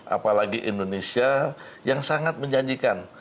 apalagi indonesia yang sangat menjanjikan